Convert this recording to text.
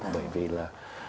bởi vì là